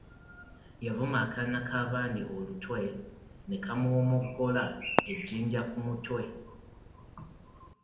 Yavuma akaana k’abandi olutwe ne kamuwomoggola ejjinja ku mutwe.